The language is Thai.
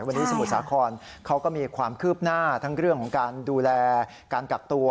วันนี้สมุทรสาครเขาก็มีความคืบหน้าทั้งเรื่องของการดูแลการกักตัว